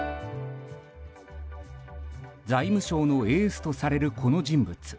財務省のエースとされるこの人物。